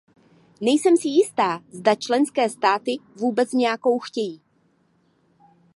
Nejsem si jistá, zda členské státy vůbec nějakou chtějí.